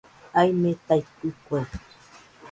Aimetaitɨkue